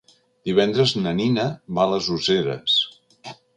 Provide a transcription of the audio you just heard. Divendres na Nina va a les Useres.